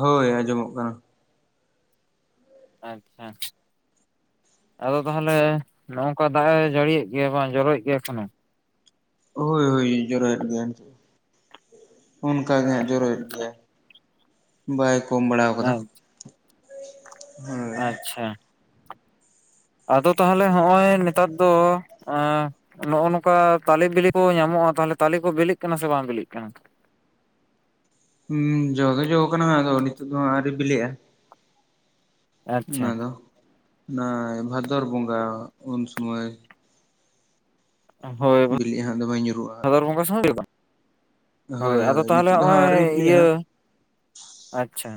ᱦᱳᱭ ᱟᱸᱡᱚᱢᱚᱜ ᱠᱟᱱᱟ᱾ ᱟᱪᱪᱷᱟ ᱟᱫᱚ ᱛᱟᱦᱚᱞᱮ ᱱᱚᱝᱠᱟ ᱫᱟᱜ ᱮ ᱡᱟᱹᱲᱤᱭᱮᱫ ᱜᱮᱭᱟ ᱵᱟᱝ ᱡᱚᱨᱚᱭᱮᱫ ᱜᱮᱭᱟ ᱮᱠᱷᱚᱱᱚ ᱦᱳᱭ ᱦᱳᱭ ᱡᱚᱨᱚᱭᱮᱫ ᱜᱮᱭᱟ ᱱᱤᱛᱚᱽ ᱦᱚᱸ ᱚᱱᱠᱟ ᱜᱮ ᱦᱟᱸᱽ ᱡᱚᱨᱚᱭᱮᱫ ᱜᱮᱭᱟᱭ ᱵᱟᱭ ᱠᱚᱢ ᱵᱟᱲᱟ ᱠᱟᱫᱟ [inaudible] ᱟᱪᱪᱷᱟ᱾ ᱟᱫᱚ ᱛᱟᱦᱚᱞᱮ ᱦᱚᱸᱜᱼᱚᱭ ᱱᱮᱛᱟᱨ ᱫᱚ ᱮᱸ᱾ ᱱᱚᱜᱼᱚ ᱱᱚᱝᱠᱟ ᱛᱟᱞᱮ ᱵᱤᱞᱤ ᱠᱚ ᱧᱟᱢᱚᱜᱼᱟ ᱛᱟᱦᱚᱞᱮ ᱛᱟᱞᱮ ᱠᱚ ᱵᱮᱞᱮᱜ ᱠᱟᱱᱟ ᱥᱮ ᱵᱟᱝ ᱵᱮᱞᱮᱜ ᱠᱟᱱᱟ? ᱦᱩᱸ ᱡᱚᱜᱮ ᱡᱚ ᱠᱟᱱᱟ ᱟᱫᱚ ᱱᱤᱛᱚᱜ ᱫᱚ ᱟᱳᱨᱤ ᱵᱤᱞᱤᱜᱼᱟ‍᱾ ᱚᱱᱟ ᱟᱪᱪᱷᱟ ᱫᱚ ᱚᱱᱟ ᱵᱷᱟᱫᱚᱨ ᱵᱚᱸᱜᱟ ᱩᱱ ᱥᱚᱢᱚᱭ ᱦᱳᱭ ᱵᱤᱞᱤᱜᱼᱟ ᱦᱟᱸᱜ ᱫᱚᱢᱮ ᱧᱩᱨᱩᱜᱼᱟ ᱦᱟᱸᱜ᱾ ᱵᱷᱟᱫᱚᱨ ᱵᱚᱸᱜᱟ ᱥᱚᱢᱚᱭ ᱦᱩᱭᱩᱜ ᱼᱟ ᱦᱳᱭ ᱟᱫᱚ ᱛᱟᱦᱚᱞᱮ ᱱᱤᱛᱚᱜ ᱫᱚ ᱦᱟᱸᱜ ᱱᱚᱜᱼᱚᱭ ᱟᱹᱣᱨᱤ ᱵᱤᱞᱤᱜᱼᱟ ᱤᱭᱟᱹ᱾ ᱦᱟᱸᱜ ᱟᱪᱷᱟ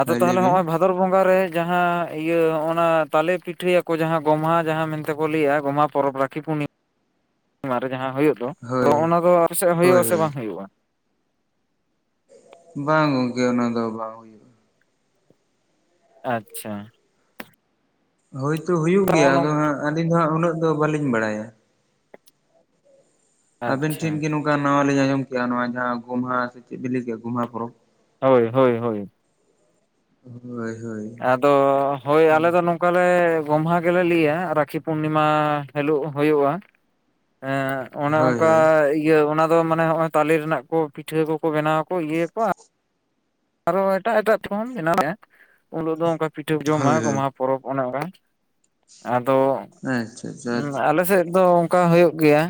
ᱟᱫᱚ ᱦᱳᱭ ᱞᱟᱹᱭ ᱛᱟᱦᱚᱞᱮ ᱵᱤᱱ ᱦᱚᱜᱼᱚᱭ ᱵᱷᱟᱫ᱾ ᱵᱷᱟᱫᱚᱨ ᱵᱚᱸᱜᱟ ᱨᱮ ᱡᱟᱦᱟ ᱤᱭᱟᱹ ᱚᱱᱟ ᱛᱟᱞᱮ ᱯᱤᱴᱷᱟᱹᱭᱟᱠᱚ ᱡᱟᱦᱟ ᱜᱚᱢᱦᱟ ᱡᱟᱦᱟ ᱢᱮᱱᱛᱮ ᱠᱚ ᱞᱟᱹᱭᱮᱫᱼᱟ ᱜᱚᱢᱦᱟ᱾ ᱯᱚᱨᱚᱵᱽ ᱨᱟᱠᱷᱤ ᱯᱩᱱᱤᱢᱟ ᱨᱮ ᱡᱟᱦᱟ ᱦᱩᱭᱩᱜ ᱫᱚ ᱦᱳᱭ ᱟᱫᱚ ᱚᱱᱟ ᱫᱚ ᱟᱯᱮ ᱥᱮᱫ ᱦᱩᱭᱩᱜ ᱦᱳᱭ ᱟ ᱥᱮ ᱦᱳᱭ ᱵᱟᱝ ᱦᱩᱭᱩᱜᱼᱟ? ᱵᱟᱝ ᱜᱚᱝᱠᱮ ᱚᱱᱟ ᱫᱚ ᱵᱟᱝ ᱦᱩᱭᱩᱜᱼᱟ᱾ ᱟᱪᱪᱷᱟ ᱦᱳᱭᱛᱳ ᱦᱩᱭᱩᱜ ᱱᱚᱜᱼᱚ ᱜᱮᱭᱟ ᱱᱚᱝ ᱟᱫᱚ ᱦᱟᱸᱜ ᱟᱹᱞᱤᱧ ᱫᱚ ᱦᱟᱸᱜ ᱩᱱᱟᱹᱜ ᱫᱚ ᱵᱟᱟᱹᱞᱤᱧ ᱵᱟᱲᱟᱭᱟ᱾ ᱟᱵᱤᱱ ᱴᱷᱮᱱ ᱟᱪᱪᱷᱟ ᱜᱮ ᱱᱚᱝᱠᱟ ᱱᱟᱣᱟᱤᱧ ᱟᱫᱚᱡ ᱠᱮᱭᱟ ᱱᱚᱣᱟ ᱡᱟᱦᱟᱸ ᱜᱚᱢᱦᱟ ᱥᱮ ᱪᱮᱫ ᱵᱤᱱ ᱞᱟᱹᱭ ᱠᱮᱫᱟ ᱜᱚᱢᱦᱟ ᱯᱚᱨᱚᱵᱽ ᱦᱳᱭ ᱦᱳᱭ ᱦᱳᱭ ᱦᱳᱭ ᱦᱳᱭ ᱟᱫᱚ ᱦᱳᱭ ᱟᱞᱮ ᱫᱚ ᱱᱚᱝᱠᱟ ᱚᱠᱟ ᱞᱮ ᱜᱚᱢᱦᱟ ᱜᱮᱞᱮ ᱞᱟᱹᱭᱟ ᱨᱟᱠᱷᱤ ᱯᱩᱨᱱᱤᱢᱟ ᱦᱤᱞᱳᱜ ᱦᱩᱭᱩᱜᱼᱟ ᱮᱸ ᱚᱱᱮ ᱦᱳᱭ ᱚᱱᱠᱟ ᱦᱳᱭ ᱤᱭᱟᱹ ᱚᱱᱟ ᱫᱚ ᱢᱟᱱᱮ ᱦᱚᱜᱼᱚᱭ ᱛᱟᱞᱮ ᱨᱮᱱᱟᱜ ᱠᱚ ᱯᱤᱴᱷᱟᱹ ᱠᱚᱠᱚ ᱵᱮᱱᱟᱣᱟᱠ ᱤᱭᱟᱹᱭᱟᱠᱚ ᱟᱨᱚ ᱮᱴᱟᱜ ᱮᱴᱟᱜ ᱴᱦᱚᱱ ᱢᱮᱱᱟᱜᱼᱟ ᱩᱱ ᱦᱤᱞᱳᱜ ᱫᱚ ᱚᱱᱠᱟ ᱯᱤᱴᱷᱟᱹ ᱡᱚᱢᱟᱭ ᱦᱳᱭ ᱜᱚᱢᱦᱟ ᱦᱳᱭ ᱯᱚᱨᱚᱵᱽ ᱚᱱᱮ ᱚᱱᱠᱟ ᱟᱫᱚ ᱟᱪᱪᱷᱟ ᱟᱪᱪᱷᱟ ᱟᱞᱮᱥᱮᱫ ᱫᱚ ᱚᱠᱟ ᱦᱩᱭᱩᱜ ᱜᱮᱭᱟ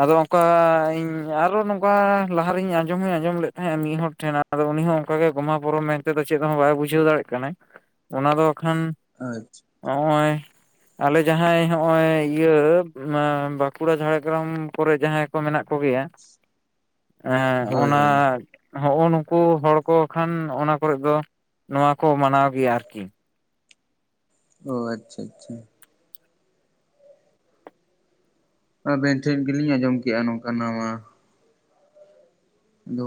ᱟᱫᱚ ᱚᱱᱠᱟ ᱤᱧ ᱟᱨᱚ ᱱᱚᱝᱠᱟ ᱞᱟᱦᱟᱨᱮᱧ ᱟᱸᱡᱚᱢ ᱦᱚᱧ ᱟᱸᱡᱚᱢ ᱞᱮᱫ ᱛᱟᱦᱮᱸᱼᱟ ᱢᱤᱫ ᱦᱚᱲ ᱴᱷᱮᱱ ᱟᱫᱚ ᱩᱱᱤ ᱦᱚᱸ ᱚᱱᱠᱟᱜᱮ ᱜᱚᱢᱟ ᱯᱚᱨᱚᱵ ᱢᱮᱱᱛᱮᱫᱚ ᱪᱮᱫ ᱦᱚᱸ ᱵᱟᱭ ᱵᱩᱡᱷᱟᱹᱣ ᱫᱟᱲᱮᱜ ᱠᱟᱱᱟᱭ ᱚᱱᱟ ᱫᱚ ᱟᱠᱷᱟᱱ ᱟᱪᱪᱷᱟ ᱦᱚᱸᱜᱼᱚᱭ ᱟᱞᱮ ᱡᱟᱦᱟᱸᱭ ᱦᱚᱸᱜᱼᱚᱭ ᱤᱭᱟᱹ ᱵᱟᱸᱠᱩᱲᱟ ᱡᱷᱟᱲᱮ ᱡᱷᱟᱲᱜᱨᱟᱢ ᱠᱚᱨᱮ ᱡᱟᱦᱟᱸᱭ ᱠᱚ ᱢᱮᱱᱟᱜ ᱠᱚᱜᱮᱭᱟ ᱮᱸ ᱦᱳᱭ ᱚᱱᱟ ᱦᱳᱭ ᱦᱚᱜᱼᱚ ᱱᱩᱠᱩ ᱦᱚᱲ ᱠᱚ ᱠᱷᱟᱱ ᱚᱱᱟ ᱠᱚᱨᱮ ᱫᱚ ᱱᱚᱣᱟ ᱠᱚ ᱢᱟᱱᱟᱣ ᱜᱮᱭᱟ ᱟᱨᱠᱤ ᱚᱻ ᱟᱪᱪᱷᱟ ᱟᱪᱪᱷᱟ ᱟᱵᱮᱱ ᱴᱷᱮᱱ ᱜᱮᱞᱤᱧ ᱟᱸᱡᱚᱢ ᱠᱼᱟ ᱱᱚᱝᱠᱟ ᱱᱟᱣᱟ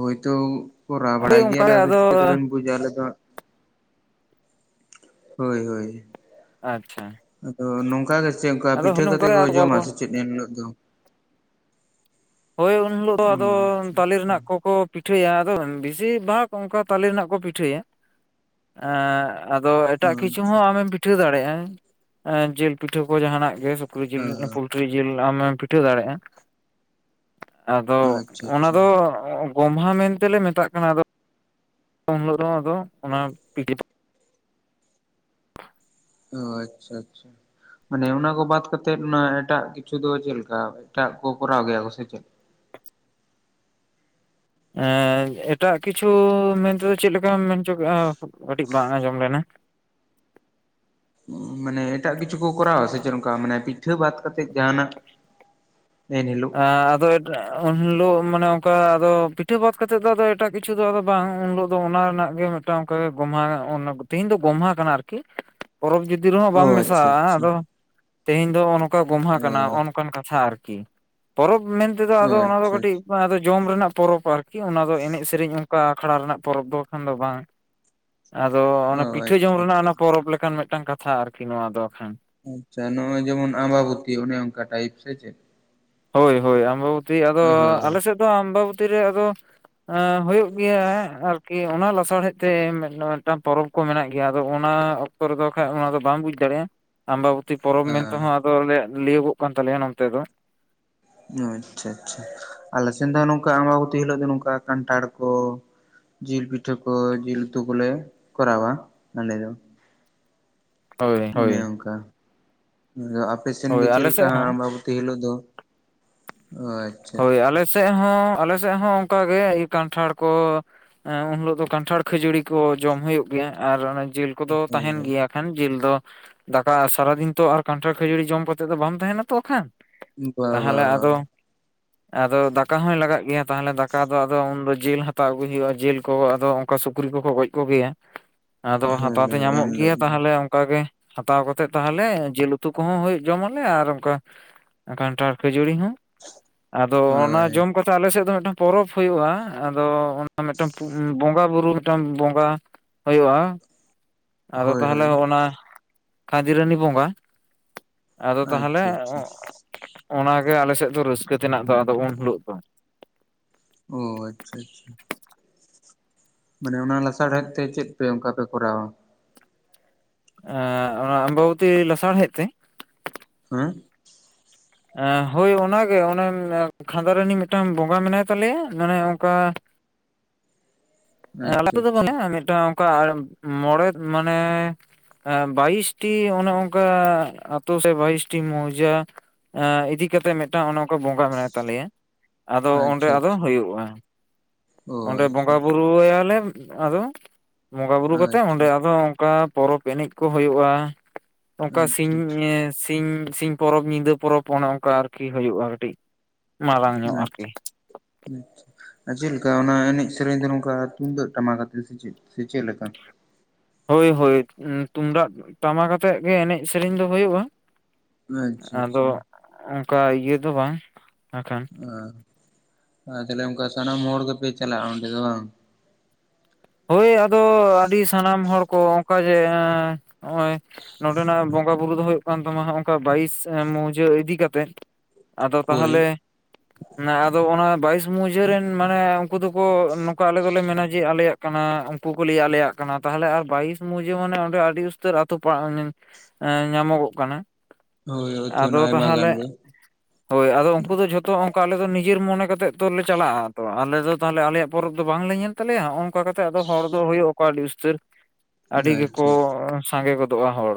ᱦᱳᱭᱛᱳ ᱠᱚᱨᱟᱣ ᱦᱳᱭ ᱵᱟᱲᱟᱭ ᱚᱱᱠᱟ ᱜᱮᱭᱟᱞᱮ ᱜᱮ ᱟ ᱟᱫᱚ ᱪᱤᱠᱟᱹᱛᱮᱵᱮᱱ ᱵᱩᱡᱟ ᱟᱞᱮ ᱫᱚ ᱦᱳᱭ ᱦᱳᱭ ᱟᱪᱪᱷᱟ ᱟᱫᱚ ᱱᱚᱝᱠᱟ ᱜᱮ ᱪᱮᱫᱠᱟ ᱟᱫᱚ ᱯᱤᱴᱷᱟᱹ ᱱᱚᱝᱠᱟ ᱠᱟᱛᱮᱮᱫ ᱜᱮ ᱠᱚ ᱟᱫᱚ ᱡᱚᱢᱟ ᱜᱚᱞᱯᱚ ᱥᱮ ᱪᱮᱫ ᱮᱱ ᱦᱤᱞᱳᱜ ᱫᱚ ᱦᱳᱭ ᱩᱱ ᱦᱤᱞᱳᱜ ᱫᱚ ᱚ ᱟᱫᱚ ᱟᱪᱪᱷᱟ ᱛᱟᱞᱮ ᱟᱪᱪᱷᱟ ᱨᱮᱱᱟᱜ ᱠᱚᱠᱚ ᱯᱤᱴᱷᱟᱹᱭᱟ ᱟᱫᱚ ᱵᱮᱥᱤᱨ ᱵᱷᱟᱜᱽ ᱚᱱᱠᱟ ᱛᱟᱞᱮ ᱨᱮᱱᱟᱜ ᱠᱚ ᱯᱤᱴᱷᱟᱹᱭᱟ ᱮᱸ ᱟᱫᱚ ᱚ ᱮᱴᱟᱜ ᱠᱤᱪᱷᱩ ᱟᱪᱪᱷᱟ ᱦᱚᱸ ᱟᱢᱮᱢ ᱯᱤᱴᱷᱟᱹ ᱫᱟᱲᱮᱭᱟᱜᱼᱟ ᱡᱤᱞ ᱯᱤᱴᱷᱟᱹ ᱠᱚ ᱡᱟᱦᱟᱱᱟᱜ ᱜᱮ ᱥᱩᱠᱨᱤ ᱡᱤᱞ ᱯᱳᱞᱴᱨᱤ ᱡᱤᱞ ᱟᱢᱮᱢ ᱯᱤᱴᱷᱟᱹ ᱫᱟᱲᱮᱭᱟᱜᱼᱟ᱾ ᱟᱫᱚ ᱚ ᱟᱪᱪᱷᱟ ᱚᱱᱟ ᱟᱪᱪᱷᱟ ᱫᱚ ᱜᱚᱢᱦᱟ ᱢᱮᱱᱛᱮᱞᱮ ᱢᱮᱛᱟᱜ ᱠᱟᱱᱟ ᱟᱫᱚ ᱩᱱᱦᱤᱞᱳᱜ ᱫᱚ ᱟᱫᱚ ᱚᱱᱟ ᱯᱤ [inaudible] ᱚ ᱟᱪᱪᱷᱟ ᱟᱪᱪᱷᱟ ᱢᱟᱱᱮ ᱚᱱᱟ ᱠᱚ ᱵᱟᱫ ᱠᱟᱛᱮᱮᱫ ᱚᱱᱟ ᱮᱴᱟᱜ ᱠᱤᱪᱷᱩ ᱫᱚ ᱪᱮᱫ ᱞᱮᱠᱟ ᱮᱴᱟᱜ ᱠᱚ ᱠᱚᱨᱟᱣ ᱜᱮᱭᱟ ᱠᱚ ᱥᱮ ᱪᱮᱫ ᱮᱴᱟᱜ ᱠᱤᱪᱷᱩ ᱢᱮᱱᱛᱮᱫᱚ ᱪᱮᱫ ᱞᱮᱠᱟᱢ ᱢᱮᱱ ᱦᱚᱪ ᱠᱟᱜᱼᱟ ᱠᱟᱹᱴᱤᱡ ᱵᱟᱝ ᱟᱸᱡᱚᱢ ᱞᱮᱱᱟ? ᱢᱟᱱᱮ ᱮᱴᱟᱜ ᱠᱤᱪᱷᱩ ᱠᱚ ᱠᱚᱨᱟᱣᱟ ᱥᱮ ᱪᱮᱫ ᱚᱱᱠᱟ ᱢᱟᱱᱮ ᱯᱤᱴᱷᱟᱹ ᱵᱟᱫ ᱠᱟᱛᱮᱜ ᱡᱟᱦᱟᱱᱟᱜ ᱮᱱᱦᱤᱞᱳᱜ ᱟᱫᱚ ᱩᱱ ᱦᱤᱞᱳᱜ ᱢᱟᱱᱮ ᱚᱱᱠᱟ ᱯᱤᱴᱷᱟᱹ ᱵᱟᱫ ᱠᱟᱛᱮ ᱫᱚ ᱮᱴᱟᱜ ᱠᱤᱪᱷᱩ ᱫᱚ ᱵᱟᱝ ᱩᱱ ᱦᱤᱞᱚᱜ ᱫᱚ ᱚᱱᱟ ᱨᱮᱱᱟᱜ ᱜᱮ ᱢᱤᱫᱴᱟᱝ ᱚᱱᱠᱟ ᱜᱚᱢᱦᱟ ᱛᱮᱦᱤᱧ ᱫᱚ ᱜᱚᱢᱦᱟ ᱠᱟᱱᱟ ᱟᱨᱠᱤ ᱯᱚᱨᱚᱵᱽ ᱡᱩᱫᱤ ᱨᱮᱦᱚᱸ ᱚ ᱵᱟᱢ ᱟᱪᱪᱷᱟ ᱢᱮᱥᱟᱜᱼᱟ ᱟᱪᱪᱷᱟ ᱟᱫᱚ ᱛᱮᱦᱮᱧ ᱫᱚ ᱱᱚᱝᱠᱟ ᱜᱚᱢᱦᱟ ᱚ ᱠᱟᱱᱟ ᱚᱱᱠᱟᱱ ᱠᱟᱛᱷᱟ ᱟᱨᱠᱤ ᱯᱚᱨᱚᱵᱽ ᱢᱮᱱᱛᱮ ᱫᱚ ᱟᱫᱚ ᱚᱱᱟ ᱫᱚ ᱟᱪᱪᱷᱟ ᱠᱟᱹᱴᱤᱡ ᱟᱪᱪᱷᱟ ᱵᱟᱝ ᱟᱫᱚ ᱡᱚᱢ ᱨᱮᱱᱟᱜ ᱯᱚᱨᱚᱵᱽ ᱟᱨᱠᱤ ᱚᱱᱟ ᱫᱚ ᱮᱱᱮᱡ ᱥᱮᱨᱮᱧ ᱚᱱᱠᱟ ᱟᱠᱷᱲᱟ ᱨᱮᱱᱟᱜ ᱯᱚᱨᱚᱵᱽ ᱫᱚ ᱠᱷᱟᱱ ᱫᱚ ᱵᱟᱝ ᱟᱫᱚ ᱚ ᱚᱱᱟ ᱯᱤᱴᱷᱟᱹ ᱡᱚᱢ ᱟᱪᱪᱷᱟ ᱟᱪᱪᱷᱟ ᱨᱮᱱᱟᱜ ᱚᱱᱟ ᱯᱚᱨᱚᱵᱽ ᱞᱮᱠᱟᱱ ᱢᱤᱫᱴᱟᱝ ᱠᱟᱛᱷᱟ ᱟᱨᱠᱤ ᱱᱚᱣᱟ ᱫᱚᱠᱷᱟᱱ ᱟᱪᱪᱷᱟ ᱱᱚᱜᱼᱚᱭ ᱡᱮᱢᱚᱱ ᱟᱢᱵᱟᱵᱚᱛᱤ ᱚᱱᱮ ᱚᱱᱠᱟ ᱴᱟᱭᱤᱯ ᱥᱮ ᱪᱮᱫ ᱦᱳᱭ ᱦᱳᱭ ᱟᱢᱵᱟᱵᱚᱛᱤ ᱟᱫᱚ ᱦᱳᱭ ᱟᱞᱮ ᱥᱮᱫ ᱫᱚ ᱟᱢᱵᱟᱵᱚᱛᱤ ᱨᱮ ᱟᱫᱚ ᱮᱸ ᱦᱩᱭᱩᱜ ᱜᱮᱭᱟ ᱟᱨ ᱠᱤ ᱚᱱᱟ ᱞᱟᱥᱟᱲᱦᱮᱫ ᱛᱮ ᱢᱤᱫᱴᱟᱝ ᱯᱚᱨᱚᱵᱽ ᱠᱚ ᱢᱮᱱᱟᱜ ᱜᱮᱭᱟ ᱟᱫᱚ ᱚᱱᱟ ᱚᱠᱛᱚ ᱨᱮᱫᱚ ᱵᱱᱟᱜᱠᱷᱟᱡ ᱚᱱᱟ ᱫᱚ ᱵᱟᱢ ᱵᱩᱡᱽ ᱫᱟᱲᱮᱭᱟᱜᱼᱟ ᱟᱢᱵᱟᱵᱚᱛᱤ ᱯᱚᱨᱚᱵᱽ ᱢᱮᱱᱛᱮᱦᱚᱸ ᱟᱫᱚ ᱞᱟᱹᱭᱟᱹᱜᱚᱜ ᱠᱟᱱ ᱛᱟᱞᱮᱭᱟ ᱱᱚᱱᱛᱮ ᱫᱚ ᱚ ᱟᱪᱪᱷᱟ ᱟᱪᱪᱷᱟ ᱟᱞᱮ ᱥᱮᱱ ᱫᱚ ᱱᱚᱝᱠᱟ ᱟᱢᱵᱟᱵᱚᱛᱤ ᱦᱤᱞᱳᱜ ᱫᱚ ᱱᱚᱝᱠᱟ ᱠᱟᱱᱴᱷᱟᱲ ᱠᱚ ᱡᱤᱞ ᱯᱤᱴᱷᱟᱹ ᱠᱚ ᱡᱤᱞ ᱩᱛᱩ ᱠᱚᱞᱮ ᱠᱚᱨᱟᱣᱟ ᱟᱞᱮ ᱫᱚ ᱦᱳᱭ ᱦᱳᱭ ᱚᱱᱮ ᱚᱱᱠᱟ ᱟᱫᱚ ᱟᱯᱮ ᱥᱮᱫ ᱦᱳᱭ ᱜᱮ ᱪᱮᱫ ᱟᱞᱮ ᱞᱮᱠᱟ ᱥᱮᱫ ᱦᱚᱸ ᱟᱢᱵᱟᱵᱤᱛᱤ ᱦᱤᱞᱳᱜ ᱫᱚ ᱦᱳᱭ ᱦᱳᱭ ᱟᱞᱮ ᱥᱮᱫ ᱦᱚᱸ ᱟᱞᱮ ᱥᱮᱫ ᱦᱚᱸ ᱚᱱᱠᱟᱜ ᱜᱮ ᱤᱭᱟᱹ ᱠᱟᱱᱴᱷᱟᱲ ᱠᱚ ᱮᱸ ᱩᱱ ᱦᱤᱞᱳᱜ ᱫᱚ ᱠᱟᱱᱴᱷᱟᱲ ᱠᱷᱟᱹᱡᱟᱹᱲᱤ ᱠᱚ ᱡᱚᱢ ᱦᱩᱭᱩᱜ ᱜᱮᱭᱟ ᱟᱨᱮ ᱡᱤᱞ ᱠᱚᱫᱚ ᱦᱳᱭ ᱛᱟᱦᱮᱱ ᱦᱳᱭ ᱜᱮᱭᱟ ᱠᱷᱟᱱ ᱡᱤᱞ ᱫᱚ ᱫᱟᱠᱟ ᱥᱟᱨᱟᱫᱤᱱ ᱛᱚ ᱟᱨ ᱠᱟᱱᱴᱷᱟᱲ ᱠᱷᱟᱹᱡᱟᱹᱲᱤ ᱡᱚᱢ ᱠᱟᱛᱮᱫ ᱫᱚ ᱵᱟᱝ ᱛᱟᱦᱮᱱᱟ ᱛᱚ ᱠᱷᱟᱱ ᱵᱟ ᱵᱟ ᱛᱟᱦᱚᱞᱮ ᱵᱟ ᱟᱫᱚ ᱟᱫᱚ ᱫᱟᱠᱟ ᱦᱚᱸᱭ ᱞᱟᱜᱟᱜ ᱜᱮᱭᱟ ᱛᱟᱦᱚᱞᱮ ᱫᱟᱠᱟ ᱫᱚ ᱟᱫᱚ ᱩᱱᱫᱚ ᱡᱤᱞ ᱦᱟᱛᱟᱣ ᱟᱹᱜᱩᱭ ᱦᱩᱭᱩᱜᱼᱟ ᱡᱤᱞ ᱠᱚ ᱟᱫᱚ ᱠᱟ ᱥᱩᱠᱨᱤ ᱠᱚᱠᱚ ᱜᱚᱡ ᱠᱚᱜᱮᱭᱟ ᱟᱫᱚ ᱦᱳᱭ ᱦᱟᱛᱟᱣ ᱫᱚ ᱦᱳᱭ ᱧᱟᱢᱚᱜ ᱮᱢ ᱜᱮᱭᱟ ᱞᱮᱫ ᱛᱟᱦᱚᱞᱮ ᱚᱱᱠᱟᱜ ᱜᱮ ᱦᱟᱛᱟᱣ ᱠᱟᱛᱮᱫ ᱛᱟᱦᱚᱞᱮ ᱡᱤᱞ ᱩᱛᱩ ᱠᱚᱦᱚᱸ ᱡᱚᱢ ᱟᱞᱮ ᱟᱨ ᱚᱱᱠᱟ ᱠᱟᱱᱴᱟᱨ ᱠᱷᱟᱹᱡᱩᱨᱤ ᱦᱚᱸ ᱟᱫᱚ ᱚᱱᱟ ᱦᱳᱭ ᱡᱚᱢ ᱠᱟᱛᱮ ᱟᱞᱮᱥᱮᱫ ᱫᱚ ᱢᱤᱫᱴᱟᱝ ᱯᱚᱨᱚᱵᱽ ᱦᱩᱭᱩᱜᱼᱟ ᱟᱫᱚ ᱢᱤᱫᱴᱟᱝ ᱵᱚᱸᱜᱟ ᱵᱩᱨᱩ ᱢᱤᱫᱴᱟᱝ ᱵᱚᱸᱜᱟ ᱦᱳᱭᱳᱜᱼᱟ ᱟᱫᱚ ᱦᱳᱭ ᱛᱟᱦᱚᱞᱮ ᱦᱳᱭ ᱦᱚᱸᱜᱼ ᱱᱟ ᱠᱷᱟᱫᱤᱨᱟᱱᱤ ᱵᱚᱸᱜᱟ ᱟᱫᱚ ᱛᱟᱦᱚᱞᱮ ᱟᱪᱪᱷᱟ ᱟᱪᱪᱷᱟ ᱚᱱᱟᱜᱮ ᱟᱞᱮ ᱥᱮᱫ ᱫᱚ ᱨᱟᱹᱥᱠᱟᱹ ᱛᱮᱱᱟᱜ ᱫᱚ ᱟᱫᱚ ᱩᱱ ᱦᱤᱞᱳᱜ ᱫᱚ ᱚ ᱟᱪᱪᱷᱟ ᱟᱪᱪᱷᱟ ᱢᱟᱱᱮ ᱚᱱᱟ ᱞᱟᱥᱟᱲᱦᱮᱫ ᱛᱮ ᱪᱮᱫ ᱯᱮ ᱚᱱᱠᱟ ᱯᱮ ᱠᱚᱨᱟᱣᱟ ᱚᱱᱟ ᱟᱢᱵᱟᱵᱚᱛᱤ ᱞᱟᱥᱟᱲᱦᱮᱫ ᱛᱮ ᱦᱮᱸ ᱦᱳᱭ ᱚᱱᱟᱜᱮ ᱚᱱᱮ ᱠᱷᱟᱸᱫᱟᱨᱟᱱᱤ ᱢᱤᱫᱴᱟᱝ ᱵᱚᱸᱜᱟ ᱢᱮᱱᱟᱭ ᱛᱟᱞᱮᱭᱟ ᱢᱟᱱᱮ ᱚᱱᱠᱟ ᱟ ᱟᱪᱪᱷᱟ ᱫᱚ ᱵᱟᱝ ᱟᱪᱪᱷᱟ ᱢᱤᱫᱴᱟᱝ ᱚᱱᱠᱟ ᱢᱚᱲᱮ ᱢᱟᱱᱮ ᱵᱟᱭᱤᱥᱴᱤ ᱚᱱᱮ ᱚᱱᱠᱟ ᱟᱛᱳ ᱥᱮᱫ ᱵᱟᱭᱤᱥᱴᱤ ᱢᱳᱡᱟ ᱤᱫᱤ ᱠᱟᱛᱮᱜ ᱢᱤᱫᱴᱟᱝ ᱚᱱᱮ ᱚᱱᱠᱟ ᱵᱚᱸᱜᱟ ᱢᱮᱱᱟᱭ ᱛᱟᱞᱮᱭᱟ ᱟᱫᱚ ᱚᱸᱰᱮ ᱟᱪᱪᱷᱟ ᱟᱫᱚ ᱟᱪᱪᱷᱟ ᱦᱩᱭᱩᱜᱼᱟ ᱾ ᱚ ᱚᱸᱰᱮ ᱟᱪᱪᱷᱟ ᱟᱪᱪᱷᱟ ᱵᱚᱸᱜᱟᱼᱵᱩᱨᱩ ᱟᱭᱟᱞᱮ ᱟᱫᱚ ᱵᱚᱸᱜᱟ ᱵᱩᱨᱩ ᱠᱟᱛᱮᱜ ᱟᱪᱪᱷᱟ ᱚᱸᱰᱮ ᱟᱫᱚ ᱚᱱᱠᱟ ᱯᱚᱨᱚᱵᱽ ᱮᱱᱮᱡ ᱠᱚ ᱦᱩᱭᱩᱜᱼᱟ ᱚᱱᱠᱟ ᱥᱤᱧ ᱟᱪᱪᱷᱟ ᱥᱤᱧ ᱥᱤᱧ ᱯᱚᱨᱚᱵᱽ ᱧᱤᱫᱟᱹ ᱯᱚᱨᱚᱵᱽ ᱚᱱᱮ ᱚᱱᱠᱟ ᱟᱨᱠᱤ ᱦᱩᱭᱩᱜᱼᱟ ᱠᱟᱹᱴᱤᱡ ᱢᱟᱨᱟᱝ ᱧᱚᱜ ᱟᱪᱪᱷᱟ ᱟᱨᱠᱤ ᱟᱪᱷᱟ ᱟᱨ ᱪᱮᱫᱮᱠᱟ ᱚᱱᱟ ᱮᱱᱮᱡ ᱥᱮᱨᱮᱧ ᱫᱚ ᱱᱚᱝᱠᱟ ᱛᱩᱢᱫᱟᱹᱜ ᱴᱟᱢᱟᱠ ᱟᱛᱮ ᱥᱮ ᱪᱮᱫ ᱥᱮ ᱪᱮᱫᱠᱟ? ᱦᱳᱭ ᱦᱳᱭ ᱛᱩᱢᱫᱟᱜ ᱴᱟᱢᱟᱠ ᱟᱛᱮᱫ ᱜᱮ ᱮᱱᱮᱡ ᱥᱮᱨᱮᱧ ᱫᱚ ᱦᱩᱭᱩᱜᱼᱟ ᱟᱪᱪᱷᱟ ᱟᱫᱚ ᱟᱪᱪᱷᱟ ᱚᱱᱠᱟ ᱤᱭᱟᱹ ᱫᱚ ᱵᱟᱝ ᱦᱟᱠᱷᱟᱱ ᱟ ᱟᱪᱪᱷᱟ ᱥᱟᱱᱟᱢ ᱦᱚᱲ ᱜᱮ ᱯᱮ ᱪᱟᱞᱟᱜᱼᱟ ᱚᱰᱮ ᱫᱚ ᱵᱟᱝ ᱦᱳᱭ ᱟᱫᱚ ᱟᱹᱰᱤ ᱥᱟᱱᱟᱢ ᱦᱚᱲ ᱠᱚ ᱚᱱᱠᱟ ᱡᱮ ᱱᱚᱜᱼᱚᱭ ᱱᱚᱸᱰᱮᱱᱟᱜ ᱵᱚᱸᱜᱟ ᱵᱩᱨᱩ ᱫᱚ ᱦᱩᱭᱩᱜ ᱦᱩᱭᱩᱜ ᱠᱟᱱ ᱛᱟᱢᱟ ᱚᱱᱠᱟ ᱵᱟᱭᱤᱥ ᱢᱩᱡᱟᱹ ᱤᱫᱤ ᱠᱟ ᱠᱟᱛᱮᱫ ᱟᱫᱚ ᱦᱳᱭ ᱛᱟᱦᱚᱞᱮ ᱟᱫᱚ ᱚᱱᱟ ᱵᱟᱭᱤᱥ ᱢᱩᱡᱷᱟᱹ ᱨᱮᱱ ᱢᱟᱱᱮ ᱩᱱᱠᱩ ᱫᱚᱠᱚ ᱱᱚᱝᱠᱟ ᱟᱞᱮ ᱫᱚᱞᱮ ᱢᱮᱱᱟ ᱡᱮ ᱟᱞᱮᱭᱟᱜ ᱠᱟᱱᱟ ᱩᱱᱠᱩ ᱠᱚ ᱞᱟᱹᱭᱭᱟ ᱟᱞᱮᱭᱟᱜ ᱠᱟᱱᱟ ᱛᱟᱦᱚᱞᱮ ᱟᱨ ᱵᱟᱭᱤᱥ ᱢᱩᱡᱮ ᱢᱟᱱᱮ ᱚᱸᱰᱮ ᱟᱹᱰᱤ ᱩᱥᱛᱟᱹᱨ ᱟᱹᱛᱩ ᱮ ᱧᱟᱢᱚᱜᱚᱜ ᱠᱟᱱᱟ ᱦᱳᱭ [unintelligible] ᱟᱫᱚ ᱟᱭᱢᱟ ᱜᱟᱱ ᱛᱟᱦᱚᱞᱮ ᱜᱮ ᱦᱳᱭ ᱟᱫᱚ ᱩᱱᱠᱩ ᱫᱚ ᱡᱷᱚᱛᱚ ᱚᱱᱠᱟ ᱟᱞᱮ ᱫᱚ ᱱᱤᱡᱮᱨ ᱢᱚᱱᱮ ᱠᱟᱛᱮᱜ ᱛᱚᱞᱮ ᱪᱟᱞᱟᱜᱼᱟ ᱛᱚ ᱟᱞᱮ ᱫᱚ ᱛᱟᱦᱚᱞᱮ ᱟᱞᱮᱭᱟᱜ ᱯᱚᱨᱚᱵᱽ ᱫᱚ ᱵᱟᱝᱞᱮ ᱧᱮᱞᱛᱟᱞᱮᱭᱟ ᱦᱚᱸᱜ ᱚᱱᱠᱟ ᱠᱟᱛᱮᱫ ᱟᱫᱚ ᱦᱚᱲ ᱫᱚ ᱦᱩᱭᱩᱜᱼᱟᱠᱚ ᱟᱹᱰᱤ ᱩᱥᱛᱟᱹᱨ ᱟᱹᱰᱤ ᱜᱮᱠᱚ ᱟᱪᱪᱷᱟ ᱥᱟᱸᱜᱮ ᱜᱚᱫᱚᱜᱼᱟ ᱦᱚᱲ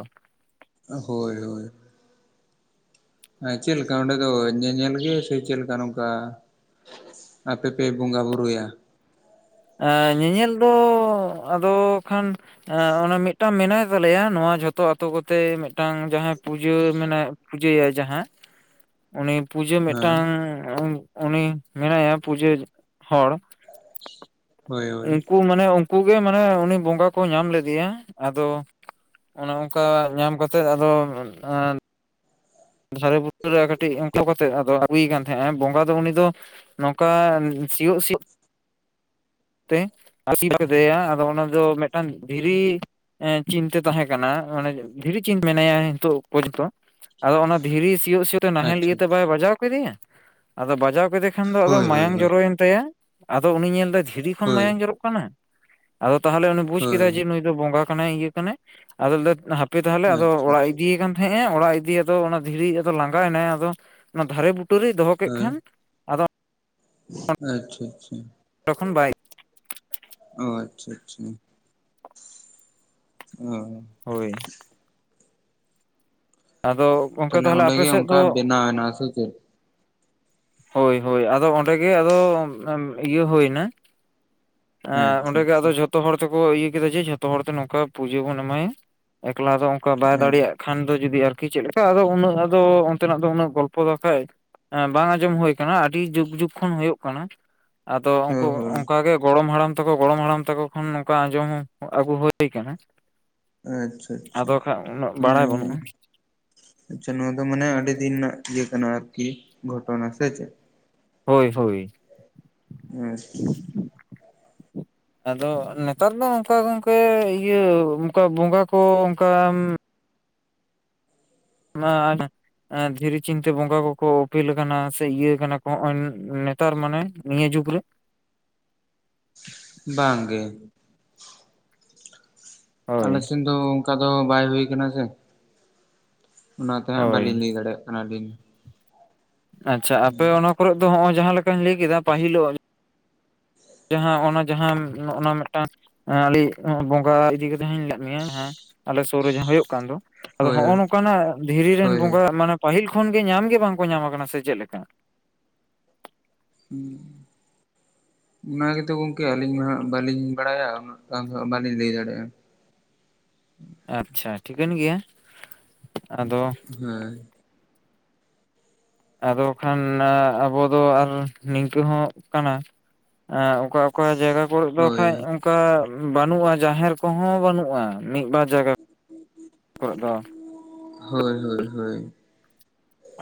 ᱦᱳᱭ ᱦᱳᱭ ᱪᱮᱫ ᱞᱮᱠᱟ ᱚᱸᱰᱮ ᱫᱚ ᱧᱮᱧᱮᱞ ᱜᱮ ᱥᱮ ᱪᱮᱫᱞᱮᱠᱟ ᱱᱚᱝᱠᱟ ᱟᱯᱮ ᱯᱮ ᱵᱚᱸᱜᱟ ᱵᱩᱨᱩᱭᱟ ᱧᱮᱧᱮᱞ ᱫᱚ ᱟᱫᱚ ᱠᱷᱟᱱ ᱚᱱᱟ ᱢᱤᱫᱴᱟᱝ ᱢᱮᱱᱟᱭ ᱛᱟᱞᱮᱭᱟ ᱱᱚᱣᱟ ᱡᱷᱚᱛᱚ ᱟᱛᱳ ᱠᱚᱛᱮ ᱢᱤᱫᱴᱟᱝ ᱡᱟᱦᱟᱸᱭ ᱯᱩᱡᱟᱹ ᱢᱮᱱᱟᱭ ᱯᱩᱡᱟᱹᱭᱟ ᱡᱟᱦᱟᱸ ᱩᱱᱤ ᱯᱩᱡᱟᱹ ᱦᱮᱸ ᱢᱤᱫᱴᱟᱝ ᱩᱱᱤ ᱢᱮᱱᱟᱭᱟ ᱯᱩᱡᱟᱹ ᱦᱚᱲ [inaudible] ᱩᱱᱠᱩ ᱢᱟᱱᱮ ᱩᱱᱠᱩ ᱜᱮ ᱢᱟᱱᱮ ᱩᱱᱤ ᱵᱚᱸᱜᱟ ᱠᱚ ᱧᱟᱢ ᱞᱮᱫᱮᱭᱟ ᱟᱫᱚ ᱚᱱᱮ ᱚᱱᱠᱟ ᱧᱟᱢ ᱠᱟᱛᱮᱫ ᱟᱫᱚ ᱫᱟᱨᱮ ᱵᱩᱴᱟᱹ ᱨᱮ ᱠᱟᱹᱴᱤᱡ ᱚᱝᱠᱟ ᱠᱟᱛᱮᱫ ᱟᱫᱚ ᱦᱩᱭ ᱠᱟᱱ ᱛᱟᱦᱮᱸᱜ ᱵᱚᱸᱜᱟ ᱫᱚ ᱩᱱᱤ ᱫᱚ ᱱᱚᱝᱠᱟ ᱥᱤᱭᱳᱜ ᱥᱤᱭᱳᱜ ᱛᱮ [unintelligible] ᱟᱫᱮᱭᱟ ᱟᱫᱚ ᱚᱱᱟ ᱫᱚ ᱢᱤᱫᱴᱟᱝ ᱫᱷᱤᱨᱤ ᱪᱤᱱᱛᱟᱹ ᱛᱟᱦᱮᱸ ᱠᱟᱱᱟ ᱢᱟᱱᱮ ᱫᱷᱤᱨᱤ ᱪᱤᱱ ᱢᱮᱱᱟᱭᱟ ᱱᱤᱛᱚᱜ ᱯᱚᱨᱡᱚᱱᱛᱚ ᱟᱫᱚ ᱚᱱᱟ ᱫᱷᱤᱨᱤ ᱥᱤᱭᱳᱜ ᱥᱤᱭᱳᱜ ᱛᱮ ᱱᱟᱦᱮᱞ ᱟᱪᱪᱷᱟ ᱤᱭᱟᱹᱛᱮ ᱵᱟᱭ ᱵᱟᱡᱟᱣ ᱠᱮᱫᱮᱭᱟ ᱟᱫᱚ ᱵᱟᱡᱟᱣ ᱠᱮᱫᱮ ᱠᱷᱟᱱᱫᱚ ᱟᱫᱚ ᱦᱳᱭ ᱦᱳᱭ ᱢᱟᱭᱟᱝ ᱦᱳᱭ ᱡᱚᱨᱚᱭᱮᱱ ᱛᱟᱭᱟ ᱟᱫᱚ ᱩᱱᱤ ᱧᱮᱞᱛᱮ ᱫᱷᱤᱨᱤ ᱠᱷᱚᱱ ᱦᱳᱭ ᱢᱟᱭᱟᱝ ᱡᱚᱨᱚᱜ ᱟᱫᱚ ᱛᱟᱦᱚᱞᱮ ᱩᱱᱤ ᱵᱩᱡ ᱠᱮᱫᱟᱭ ᱦᱳᱭ ᱡᱮ ᱱᱩᱭ ᱫᱚ ᱵᱚᱸᱜᱟ ᱠᱟᱱᱟᱭ ᱤᱭᱟᱹ ᱠᱟᱱᱟᱭ ᱟᱫᱚᱞᱮᱫᱟᱭ ᱦᱟᱯ ᱦᱟᱯᱮ ᱛᱟᱦᱚᱞᱮ ᱟᱫᱚ ᱟᱪᱪᱷᱟ ᱚᱲᱟᱜ ᱟᱪᱪᱷᱟ ᱤᱫᱤᱭᱮ ᱠᱟᱱ ᱛᱟᱦᱮᱸᱜᱼᱟ ᱚᱲᱟᱜ ᱤᱫᱤᱭᱟᱛ ᱟᱫᱚ ᱚᱱᱟ ᱫᱷᱤᱨᱤ ᱟᱫᱚ ᱞᱟᱸᱜᱟᱭᱱᱟᱭ ᱟᱫᱚ ᱚᱱᱟ ᱫᱷᱟᱨᱮ ᱵᱩᱴᱟᱹᱨᱮ ᱫᱚᱦᱚ ᱠᱮᱫ ᱦᱳᱭ ᱠᱷᱟᱱ ᱟᱫᱚ ᱟᱪᱪᱷᱟ ᱟᱪᱪᱷᱟ ᱛᱠᱷᱚᱱ ᱵᱟᱭ ᱚ ᱟᱪᱪᱷᱟ ᱟᱪᱪᱷᱟ ᱚ ᱦᱳᱭ ᱟᱫᱚ ᱜᱚᱝᱠᱮ ᱛᱟᱦᱞᱮ ᱛᱟᱦᱚᱞᱮ ᱟᱯᱮ ᱚᱸᱰᱮᱜᱮ ᱥᱮᱫ ᱚᱱᱠᱟ ᱫᱚ ᱵᱮᱱᱟᱣ ᱮᱱᱟ ᱥᱮ ᱪᱮᱫ ᱦᱳᱭ ᱦᱳᱭ ᱟᱫᱚ ᱚᱸᱰᱮ ᱜᱮ ᱟᱫᱚ ᱤᱭᱟᱹ ᱦᱩᱭᱱᱟ ᱦᱮᱸ ᱟᱪᱪᱷᱟ ᱚᱸᱰᱮ ᱜᱮ ᱟᱪᱪᱷᱟ ᱟᱫᱚ ᱡᱚᱛᱚ ᱡᱷᱚᱛᱚ ᱦᱚᱲ ᱛᱮᱠᱚ ᱤᱭᱟᱹ ᱠᱮᱫᱟ ᱡᱮ ᱡᱷᱚᱛᱚ ᱦᱚᱲᱛᱮ ᱱᱚᱝᱠᱟ ᱯᱩᱡᱟᱹ ᱵᱚᱱ ᱮᱢᱟᱭᱟ ᱮᱠᱞᱟ ᱫᱚ ᱚᱱᱠᱟ ᱵᱟᱭ ᱫᱟᱲᱮᱭᱟᱜ ᱠᱷᱟᱱᱫᱚ ᱡᱩᱫᱤ ᱟᱨᱠᱤ ᱪᱮᱫᱞᱮᱠᱟ ᱟᱫᱚ ᱩᱱᱟᱹᱜ ᱟᱫᱚ ᱚᱱᱛᱮᱱᱟᱜ ᱫᱚ ᱩᱱᱟᱹᱜ ᱜᱚᱞᱯᱚ ᱫᱚ ᱟᱠᱷᱟᱡ ᱮ ᱵᱟᱝ ᱚᱡᱚᱢ ᱦᱩᱭ ᱠᱟᱱᱟ ᱟᱹᱰᱤ ᱡᱩᱜ ᱡᱩᱜ ᱠᱷᱚᱱ ᱦᱳᱭᱳᱜ ᱠᱟᱱᱟ ᱟᱫᱚ ᱦᱳᱭ ᱦᱳᱭ ᱚᱱᱠᱟᱜᱮ ᱜᱚᱲᱚᱢ ᱦᱟᱲᱟᱢ ᱛᱟᱠᱚ ᱜᱚᱲᱚᱢ ᱦᱟᱲᱟᱢ ᱛᱟᱠᱚ ᱠᱷᱚᱱ ᱱᱚᱝᱠᱟ ᱟᱸᱡᱚᱢ ᱟᱹᱜᱩ ᱦᱳᱭ ᱠᱟᱱᱟ ᱟᱪᱪᱷᱟ ᱟᱪᱪᱷᱟ ᱟᱫᱚ ᱠᱷᱟᱡ ᱩᱱᱟᱹᱜ ᱵᱟᱲᱟᱭ ᱵᱟᱹᱱᱩᱜᱼᱟ ᱦᱮᱸ ᱟᱪᱪᱷᱟ ᱱᱚᱣᱟ ᱫᱚ ᱢᱟᱱᱮ ᱟᱹᱰᱤ ᱫᱤᱱ ᱨᱮᱱᱟᱜ ᱤᱭᱟᱹ ᱠᱟᱱᱟ ᱟᱨᱠᱤ ᱜᱷᱚᱴᱚᱱᱟ ᱥᱮ ᱪᱮᱫ ᱦᱳᱭ ᱦᱳᱭ ᱟᱪᱪᱷᱟ ᱟᱫᱚ ᱱᱮᱛᱟᱨ ᱫᱚ ᱚᱱᱠᱟ ᱜᱚᱝᱠᱮ ᱤᱭᱟᱹ ᱚᱱᱠᱟ ᱵᱚᱸᱜᱟ ᱠᱚ ᱚᱱᱠᱟᱢ ᱚᱱᱟ ᱫᱷᱤᱨᱤ ᱪᱤᱱᱛᱮ ᱵᱚᱸᱜᱟ ᱠᱚᱠᱚ ᱳᱯᱮᱞ ᱠᱟᱱᱟ ᱥᱮ ᱤᱭᱟᱹ ᱠᱟᱱᱟ ᱠᱚ ᱦᱚᱸᱜᱼᱚᱭ ᱱᱮᱛᱟᱨ ᱢᱟᱱᱮ ᱱᱤᱭᱟᱹ ᱡᱩᱜᱽ ᱨᱮ ᱵᱟᱝᱜᱮ ᱟᱞᱮ ᱦᱳᱭ ᱥᱮᱱ ᱫᱚ ᱚᱱᱠᱟ ᱫᱚ ᱵᱟᱭ ᱦᱩᱭ ᱠᱟᱱᱟ ᱥᱮ ᱚᱱᱟᱛᱮ ᱦᱟᱸᱜ ᱦᱳᱭ ᱵᱟᱹᱞᱤᱧ ᱞᱟᱹᱭ ᱫᱟᱲᱮᱭᱟᱜ ᱠᱟᱱᱟᱞᱤᱧ ᱟᱪᱪᱷᱟ ᱟᱯᱮ ᱚᱱᱟ ᱠᱚᱨᱮ ᱫᱚ ᱱᱚᱜᱼᱚᱭ ᱡᱟᱦᱟᱸ ᱞᱮᱠᱟᱧ ᱞᱟᱹᱭ ᱠᱮᱫᱟ ᱯᱟᱹᱦᱤᱞᱚᱜ ᱡᱟᱦᱟᱸ ᱚᱱᱟ ᱡᱟᱦᱟᱸ ᱱᱚᱜ ᱚᱱᱟ ᱢᱤᱫᱴᱟᱝ ᱦᱮᱸ ᱟᱞᱤᱡ ᱵᱚᱸᱜᱟ ᱤᱫᱤ ᱠᱟᱛᱮᱜ ᱦᱚᱧ ᱞᱟᱹᱭᱟᱫ ᱢᱮᱭᱟ ᱦᱮᱸ ᱟᱞᱮ ᱥᱩᱨ ᱨᱮ ᱡᱟᱦᱟᱸ ᱦᱩᱭᱩᱜ ᱠᱟᱱ ᱫᱚ ᱟᱫᱚ ᱦᱳᱭ ᱦᱚᱜᱼᱚ ᱦᱳᱭ ᱱᱚᱝᱠᱟᱱᱟᱜ ᱫᱷᱤᱨᱤ ᱨᱮᱱ ᱦᱳᱭ ᱵᱚᱸᱜᱟ ᱢᱟᱱᱮ ᱯᱟᱹᱦᱤᱞ ᱠᱷᱚᱱᱜᱮ ᱧᱟᱢᱜᱮ ᱵᱟᱝᱠᱚ ᱧᱟᱢ ᱟᱠᱟᱱᱟ ᱥᱮ ᱪᱮᱫ ᱞᱮᱠᱟ ᱦᱮᱸ ᱚᱱᱟ ᱜᱮᱛᱚ ᱜᱚᱝᱠᱮ ᱟᱹᱞᱤᱧ ᱢᱟ ᱦᱟᱜ ᱵᱟᱹᱞᱤᱧ ᱵᱟᱲᱟᱭᱟ ᱩᱱᱟᱹᱜ ᱜᱟᱱ ᱫᱚ ᱦᱟᱸᱜ ᱵᱟᱞᱤᱧ ᱞᱟᱹᱭ ᱫᱟᱲᱮᱭᱟᱜᱼᱟ ᱟᱪᱪᱷᱟ ᱴᱷᱤᱠᱟᱹᱱ ᱜᱮᱭᱟ ᱟᱫᱚ ᱦᱮᱸ ᱟᱫᱚ ᱠᱷᱟᱱ ᱟᱵᱚ ᱫᱚ ᱟᱨ ᱱᱤᱝᱠᱟᱹ ᱦᱚᱸ ᱠᱟᱱᱟ ᱚᱠᱟ ᱚᱠᱟ ᱡᱟᱭᱜᱟ ᱠᱚᱨᱮᱜ ᱫᱚ ᱦᱳᱭ ᱠᱷᱟᱡ ᱚᱱᱠᱟ ᱵᱟᱹᱱᱩᱜᱼᱟ ᱡᱟᱦᱮᱨ ᱠᱚᱦᱚᱸ ᱵᱟᱹᱱᱩᱜᱼᱟ ᱢᱤᱫ ᱵᱟᱨ ᱡᱟᱭᱜᱟ [inaudible] ᱠᱚᱜ ᱫᱚ, ᱦᱳᱭ ᱦᱳᱭ ᱦᱳᱭ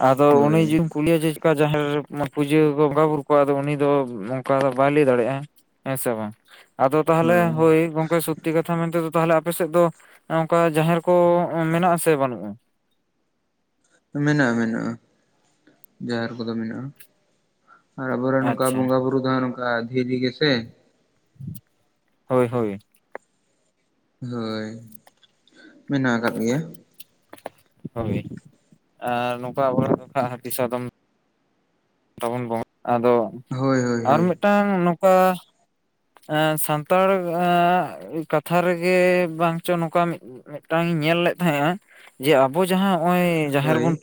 ᱟᱫᱚ ᱩᱱᱤ ᱦᱳᱭ ᱡᱩ -ᱭᱟᱜ ᱡᱮᱞᱮᱠᱟ ᱡᱟᱦᱮᱨ ᱨᱮ ᱢᱟ ᱯᱩᱡᱟᱹ ᱠᱚ ᱵᱚᱸᱜᱟ ᱵᱩᱨᱩ ᱠᱚᱜᱼᱟ ᱩᱱᱤ ᱫᱚ ᱚᱱᱠᱟ ᱫᱚ ᱵᱟᱭ ᱞᱟᱹᱭ ᱫᱟᱲᱮᱭᱟᱜᱼᱟ ᱦᱮᱸ ᱥᱮ ᱵᱟᱝ ᱟᱫᱚ ᱛᱟᱦᱚᱞᱮ ᱦᱳᱭ ᱜᱚᱝᱠᱮ ᱥᱚᱛᱛᱤ ᱠᱟᱛᱷᱟ ᱢᱮᱱᱛᱮᱫᱚ ᱛᱟᱦᱚᱞᱮ ᱟᱯᱮᱥᱮᱫ ᱫᱚ ᱚᱱᱠᱟ ᱡᱟᱦᱮᱨ ᱠᱚ ᱢᱮᱱᱟᱜᱼᱟ ᱥᱮ ᱵᱟᱹᱱᱩᱜᱼᱟ ᱢᱮᱱᱟᱜᱼᱟ ᱢᱮᱱᱟᱜᱼᱟ ᱡᱟᱦᱮᱨ ᱠᱚᱫᱚ ᱢᱮᱱᱟᱜᱼᱟ ᱟᱨ ᱟᱵᱚᱨᱮᱱ ᱱᱚᱝᱠᱟ ᱟᱪᱪᱷᱟ ᱵᱚᱸᱜᱟ ᱵᱩᱨᱩ ᱫᱚ ᱱᱚᱝᱠᱟ ᱫᱷᱤᱨᱤ ᱜᱮᱥᱮ ᱦᱳᱭ ᱦᱳᱭ ᱦᱳᱭ ᱢᱮᱱᱟᱜ ᱟᱠᱟᱫ ᱜᱮᱭᱟ ᱦᱳᱭ ᱟᱨ ᱱᱚᱝᱠᱟ ᱟᱵᱚᱨᱮᱱ ᱫᱚ ᱦᱟᱹᱛᱤ ᱥᱟᱫᱚᱢ ᱛᱟᱵᱚᱱ ᱟᱫᱚ ᱦᱳᱭ ᱦᱳᱭ ᱟᱨ ᱦᱳᱭ ᱢᱤᱫᱴᱟᱝ ᱱᱚᱝᱠᱟ ᱥᱟᱱᱛᱟᱲ ᱟᱜ ᱠᱟᱛᱷᱟ ᱨᱮᱜᱮ ᱵᱟᱝ ᱪᱚ ᱱᱚᱝᱠᱟ ᱢᱤᱫᱴᱟᱝ ᱤᱧ ᱧᱮᱞ ᱞᱮᱫ ᱛᱟᱦᱮᱸᱜᱼᱟ ᱡᱮ ᱟᱵᱚ ᱡᱟᱦᱟᱸ ᱱᱚᱜ-ᱚᱭ ᱡᱟᱦᱟᱸ ᱦᱳᱭ ᱨᱮᱵᱚᱱ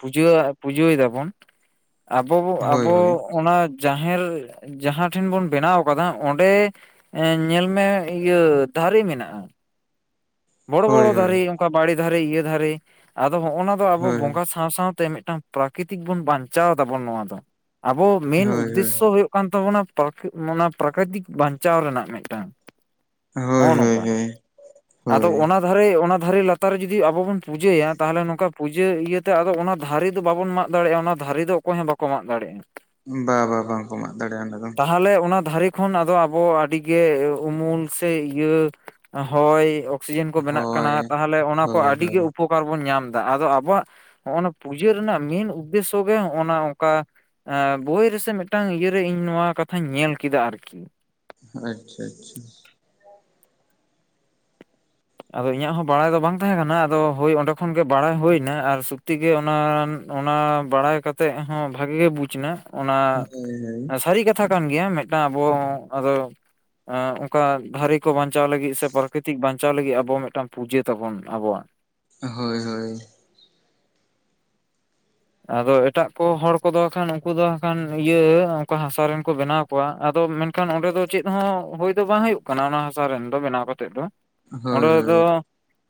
ᱯᱩᱡᱟᱹᱭ ᱫᱟᱵᱚᱱ ᱟᱵᱚ ᱦᱳᱭ ᱟᱵᱚ ᱦᱳᱭ ᱚᱱᱟ ᱡᱟᱦᱮᱨ ᱡᱟᱦᱟᱸ ᱴᱷᱮᱱ ᱵᱚᱱ ᱵᱮᱱᱟᱣ ᱟᱠᱟᱫᱟ ᱚᱸᱰᱮ ᱮᱸ ᱧᱮᱞ ᱢᱮ ᱤᱭᱟᱹ ᱫᱟᱨᱮ ᱢᱮᱱᱟᱜᱼᱟ ᱵᱚᱲᱚ ᱦᱳᱭ ᱵᱚᱲᱚ ᱦᱳᱭ ᱫᱟᱨᱮ ᱚᱱᱠᱟ ᱵᱟᱲᱮ ᱫᱟᱨᱮ ᱤᱭᱟᱹ ᱫᱟᱨᱮ ᱟᱫᱚ ᱦᱚᱸᱚᱱᱟ ᱫᱚ ᱟᱵᱚ ᱦᱳᱭ ᱵᱚᱸᱜᱟ ᱥᱟᱶ ᱥᱟᱶ ᱛᱮ ᱢᱤᱫᱴᱟᱝ ᱯᱨᱟᱠᱨᱤᱛᱤᱠ ᱵᱚᱱ ᱵᱟᱧᱪᱟᱣ ᱮᱫᱟᱵᱚᱱ ᱱᱚᱣᱟ ᱫᱚ ᱟᱵᱚ ᱢᱮᱱ ᱦᱳᱭ ᱦᱳᱭ ᱩᱫᱽᱫᱮᱥᱥᱚ ᱦᱩᱭᱩᱜ ᱠᱟᱱᱟ ᱠᱟᱱ ᱛᱟᱵᱚᱱᱟ ᱚᱱᱟ ᱯᱨᱟᱠᱨᱤᱛᱤᱠ ᱵᱟᱧᱪᱟᱣ ᱨᱮᱱᱟᱜ ᱢᱤᱫᱴᱟᱝ ᱦᱳᱭ ᱱᱚᱜᱼᱚ ᱦᱳᱭ ᱱᱚᱝᱠᱟ ᱦᱳᱭ ᱟᱫᱚ ᱦᱳᱭ ᱚᱱᱟ ᱫᱟᱨᱮ ᱚᱱᱟ ᱫᱟᱨᱮ ᱞᱟᱛᱟᱨ ᱨᱮ ᱡᱩᱫᱤ ᱟᱵᱚ ᱵᱚᱱ ᱯᱩᱡᱟᱹᱭᱟ ᱛᱟᱦᱚᱞᱮ ᱱᱚᱝᱠᱟ ᱯᱩᱡᱟᱹ ᱤᱭᱟᱹᱛᱮ ᱟᱫᱚ ᱚᱱᱟ ᱫᱟᱨᱮ ᱫᱚ ᱵᱟᱵᱚᱱ ᱢᱟᱜ ᱫᱟᱲᱮᱭᱟᱜᱼᱟ ᱚᱱᱟ ᱫᱟᱨᱮ ᱫᱚ ᱚᱠᱚᱭ ᱦᱚᱸ ᱵᱟᱠᱚ ᱢᱟᱜ ᱫᱟᱲᱮᱭᱟᱜᱼᱟ ᱵᱟ ᱵᱟᱝ ᱵᱟᱝᱠᱚ ᱢᱟᱜ ᱫᱟᱲᱮᱭᱟᱜᱼᱟ ᱚᱱᱟ ᱫᱚ ᱛᱟᱦᱚᱞᱮ ᱚᱱᱟ ᱫᱟᱨᱮ ᱠᱷᱚᱱ ᱟᱫᱚ ᱟᱵᱚ ᱟᱹᱰᱤ ᱜᱮ ᱩᱢᱩᱞ ᱥᱮ ᱤᱭᱟᱹ ᱦᱚᱭ ᱚᱠᱥᱤᱡᱮᱱ ᱠᱚ ᱵᱮᱱᱟᱜ ᱦᱳᱭ ᱠᱟᱱᱟ ᱛᱟᱦᱚᱞᱮ ᱚᱱᱟ ᱠᱚ ᱦᱳᱭ ᱟᱹᱰᱤ ᱜᱮ ᱦᱳᱭ ᱩᱯᱚᱠᱟᱨ ᱵᱟᱨ ᱵᱚᱱ ᱧᱟᱢᱫᱟ ᱟᱫᱚ ᱟᱵᱚᱣᱟᱜ ᱦᱚᱸᱜ-ᱚ ᱱᱚᱣᱟ ᱯᱩᱡᱟᱹ ᱨᱮᱱᱟᱜ ᱢᱮᱱ ᱩᱫᱽᱫᱮᱥᱥᱚ ᱜᱮ ᱦᱚᱸᱜᱼᱚᱱᱟ ᱚᱱᱠᱟ, ᱵᱳᱭ ᱨᱮᱥᱮ ᱢᱤᱫᱴᱟᱝ ᱤᱭᱟᱹᱨᱮ ᱤᱧ ᱱᱚᱣᱟ ᱠᱟᱛᱷᱟᱧ ᱧᱮᱞ ᱠᱮᱫᱟ ᱟᱨᱠᱤ ᱟᱪᱪᱷᱟ ᱟᱪᱪᱷᱟ ᱟᱫᱚ ᱤᱧᱟᱹᱜ ᱦᱚᱸ ᱵᱟᱲᱟᱭ ᱫᱚ ᱵᱟᱝ ᱛᱟᱦᱮᱸ ᱠᱟᱱᱟ ᱟᱫᱚ ᱦᱳᱭ ᱚᱸᱰᱮ ᱠᱷᱚᱱᱜᱮ ᱵᱟᱲᱟᱭ ᱦᱩᱭ ᱮᱱᱟ ᱟᱨ ᱥᱚᱛᱛᱤᱜᱮ ᱚᱱᱟ ᱚᱱᱟ ᱵᱟᱲᱟᱭ ᱠᱟᱛᱮᱜ ᱦᱚᱸ ᱵᱷᱟᱜᱤ ᱜᱮ ᱵᱩᱡᱽ ᱮᱱᱟ ᱚᱱᱟ ᱦᱳᱭ ᱥᱟᱹᱨᱤ ᱠᱟᱛᱷᱟ ᱠᱟᱛᱷᱟ ᱠᱟᱱ ᱜᱮᱭᱟ ᱢᱤᱫᱴᱟᱝ ᱟᱵᱚ ᱟᱫᱚ ᱚᱱᱠᱟ ᱫᱟᱨᱮ ᱠᱚ ᱵᱟᱧᱪᱟᱣ ᱞᱟᱹᱜᱤᱫ ᱥᱮ ᱯᱨᱟᱠᱤᱛᱤᱠ ᱵᱟᱧᱪᱟᱣ ᱵᱟᱧᱪᱟᱣ ᱞᱟᱹᱜᱤᱫ ᱟᱵᱚ ᱢᱤᱫᱴᱟᱝ ᱯᱩᱡᱟᱹ ᱛᱟᱵᱚᱱ ᱟᱵᱚᱣᱟᱜ ᱦᱳᱭ ᱦᱳᱭ ᱟᱫᱚ ᱮᱴᱟᱜ ᱠᱚ ᱦᱚᱲ ᱠᱚᱫᱚ ᱟᱠᱷᱟᱱ ᱩᱱᱠᱩ ᱫᱚ ᱟᱠᱷᱟᱱ ᱤᱭᱟᱹ ᱚᱱᱠᱟ ᱦᱟᱥᱟ ᱨᱮᱱ ᱠᱚ ᱵᱮᱱᱟᱣ ᱟᱫᱚ ᱢᱮᱱᱠᱷᱟᱱ ᱚᱸᱰᱮ ᱫᱚ ᱪᱮᱫ ᱦᱚᱸ ᱦᱩᱭᱳᱭ ᱫᱚ ᱵᱟᱝ ᱦᱩᱭᱩᱜ ᱠᱟᱱᱟ ᱚᱱᱟ ᱦᱟᱥᱟ ᱨᱮᱱ ᱫᱚ ᱵᱮᱱᱟᱣ ᱠᱟᱛᱮ ᱫᱚ᱾ ᱦᱳᱭ ᱚᱸᱰᱮ ᱫᱚ ᱦᱳᱭ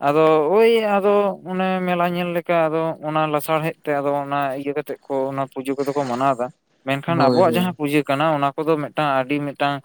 ᱟᱫᱚ ᱳᱭ ᱟᱫᱚ ᱚᱱᱮ ᱢᱮᱞᱟ ᱧᱮᱞ ᱞᱮᱠᱟ ᱟᱫᱚ ᱚᱱᱟ ᱞᱟᱥᱟᱲᱦᱮᱫ ᱛᱮ ᱟᱫᱚ ᱚᱱᱟ ᱤᱭᱟᱹ ᱠᱟᱛᱮ ᱠᱚ ᱚᱱᱟ ᱯᱩᱡᱟᱹ ᱠᱚᱫᱚ ᱠᱚ ᱢᱟᱱᱟᱣ ᱮᱫᱟ ᱢᱮᱱᱠᱷᱟᱱ ᱦᱳᱭ ᱟᱵᱚᱣᱟᱜ ᱦᱳᱭ ᱡᱟᱦᱟᱸ ᱯᱩᱡᱟᱹ ᱠᱟᱱᱟ ᱚᱱᱟ ᱠᱚᱫᱚ ᱢᱤᱫᱴᱟᱝ ᱟᱹᱰᱤ ᱢᱤᱫᱴᱟᱝ